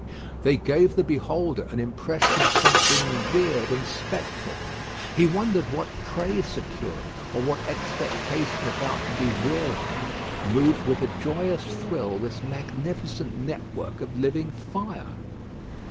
They gave the beholder an impression of something weird and spectral: he wondered what prey secured, or what expectation about to be realised, moved with a joyous thrill this magnificent network of living fire.